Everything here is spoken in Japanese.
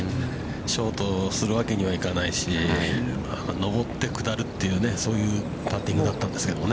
ショートするわけにはいかないし、上って下るという、そういうパッティングだったんですけどもね。